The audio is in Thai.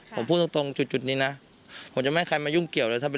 ผมพูดตรงตรงจุดนี้นะผมจะไม่ให้ใครมายุ่งเกี่ยวเลยถ้าเป็น